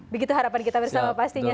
begitu harapan kita bersama pastinya